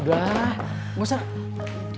udah kamu duduk aja